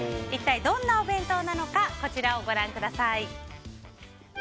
一体どんなお弁当なのかこちらをご覧ください。